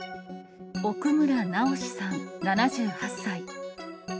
奥村直司さん７８歳。